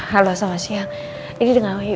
halo selamat siang ini dengan wahyu